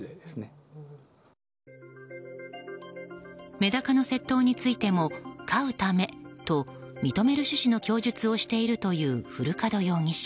メダカの窃盗についても飼うためと認める趣旨の供述をしているという古門容疑者。